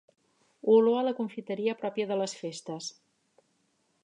Olor a la confiteria pròpia de les festes.